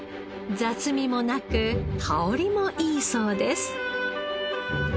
雑味もなく香りもいいそうです。